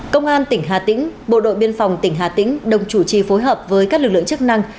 công an tỉnh hà tĩnh bộ đội biên phòng tỉnh hà tĩnh đồng chủ trì phối hợp với các lực lượng chức năng